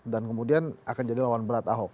dan kemudian akan jadi lawan berat ahok